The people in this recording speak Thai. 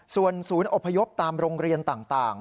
ส่วนศูนย์อพยพตามโรงเรียนต่าง